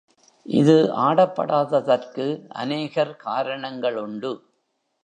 இது ஆடப்படாததற்கு அநேகர் காரணங்களுண்டு.